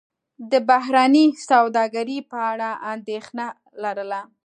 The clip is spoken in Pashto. د بهرنۍ سوداګرۍ په اړه اندېښنه لرله.